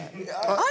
あれ？